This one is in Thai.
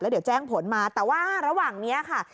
เดี๋ยวแจ้งผลมาแต่ว่าระหว่างนี้ค่ะ